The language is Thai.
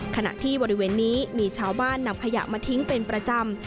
ขณะที่บริเวณนี้มีชาวบ้านนำขยะมาทิ้งเป็นประจำ